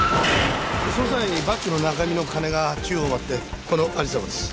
その際にバッグの中身の金が宙を舞ってこの有りさまです。